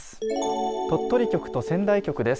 鳥取局と仙台局です。